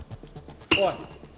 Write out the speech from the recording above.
おい。